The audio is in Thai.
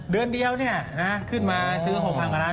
เดือนเดียวขึ้นมาซื้อ๖๐๐กว่าล้าน